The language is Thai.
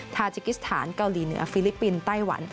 ทาจิกิสถานเกาหลีเหนือฟิลิปปินส์ไต้หวัน